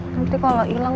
nanti kalau hilang